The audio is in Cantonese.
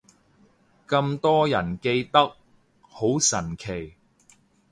咁多人記得，好神奇